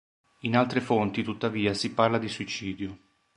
In altre fonti tuttavia si parla di suicidio.